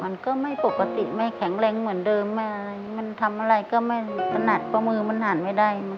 มันก็ไม่ปกติไม่แข็งแรงเหมือนเดิมไม่อะไรมันทำอะไรก็ไม่ถนัดเพราะมือมันหันไม่ได้